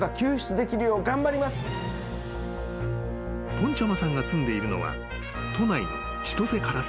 ［ぽんちゃまさんが住んでいるのは都内の千歳烏山］